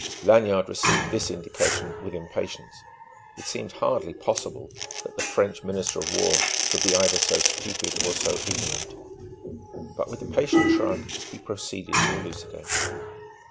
Lanyard received this indication with impatience. It seemed hardly possible that the French Minister of War could be either so stupid or so ignorant.... But with a patient shrug, he proceeded to elucidate.